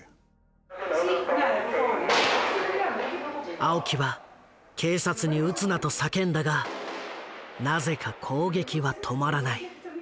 青木は警察に「撃つな」と叫んだがなぜか攻撃は止まらない。